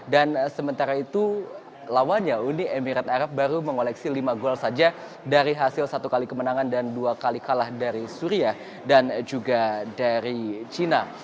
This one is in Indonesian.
dan sementara itu lawannya uni emirat arab baru mengoleksi lima gol saja dari hasil satu kali kemenangan dan dua kali kalah dari suria dan juga dari cina